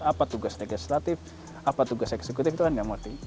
apa tugas legislatif apa tugas eksekutif itu kan nggak ngerti